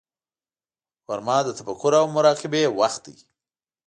غرمه د تفکر او مراقبې وخت دی